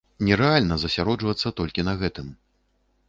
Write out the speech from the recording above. Нерэальна засяроджвацца толькі на гэтым.